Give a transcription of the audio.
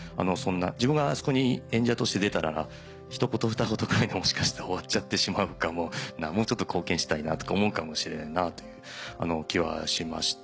自分があそこに演者として出たら一言二言くらいにもしかしたら終わっちゃってしまうかもなもうちょっと貢献したいなとか思うかもしれないなという気はしました。